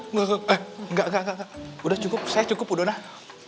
enggak enggak enggak udah saya cukup udonah